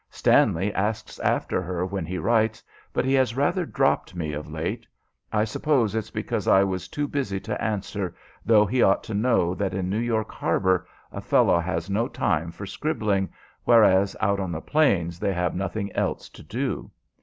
Stanley asks after her when he writes, but he has rather dropped me of late. I suppose it's because I was too busy to answer, though he ought to know that in New York harbor a fellow has no time for scribbling, whereas, out on the plains they have nothing else to do.